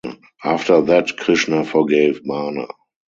After that Krishna forgave Bana.